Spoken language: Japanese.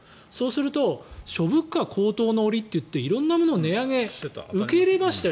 そうすると諸物価高騰の折といって色んなもの、値上げ受け入れましたよ